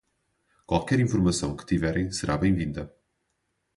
Qualquer informação que tiverem será bem-vinda.